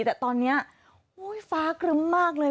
แต่ตอนนี้ฟ้าครึ้มมากเลย